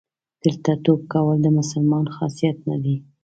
دله توب کول د مسلمان خاصیت نه دی.